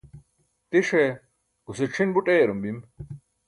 tiṣ e guse c̣ʰin buṭ eyraum bim